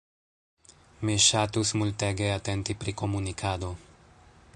Mi ŝatus multege atenti pri komunikado.